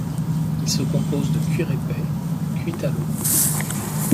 Il se compose de cuir épais, cuit à l'eau.